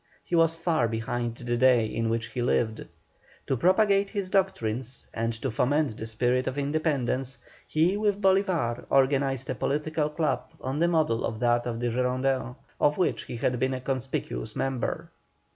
He was far behind the day in which he lived. To propagate his doctrines, and to foment the spirit of independence, he with Bolívar organized a political club on the model of that of the Girondins, of which he had been a conspicuous member.